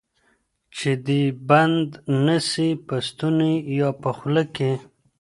چی دي بند نه سي په ستوني یا په خوله کی